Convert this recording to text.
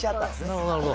なるほどなるほど。